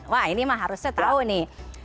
wah ini mah harusnya tahu nih